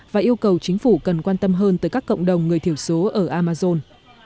và yêu cầu chính phủ cần quan tâm hơn tới các cộng đồng người thiểu số ở amazon